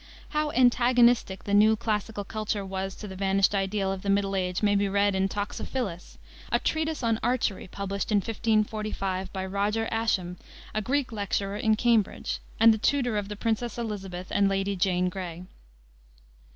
How antagonistic the new classical culture was to the vanished ideal of the Middle Age may be read in Toxophilus, a treatise on archery published in 1545, by Roger Ascham, a Greek lecturer in Cambridge, and the tutor of the Princess Elizabeth and of Lady Jane Grey.